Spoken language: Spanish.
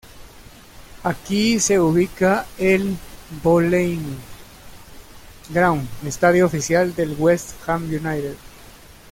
Aquí se ubica el Boleyn Ground, estadio oficial del West Ham United.